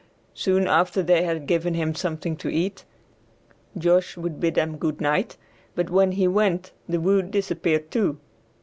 Soon after they had given him something to eat, Josh would bid them good night, but when he went, the wood disappeared too.